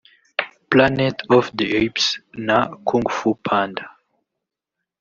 Planet of the Apes na Kung Fu Panda